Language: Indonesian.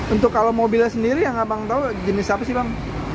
untuk kalau mobilnya sendiri yang abang tahu jenis apa sih bang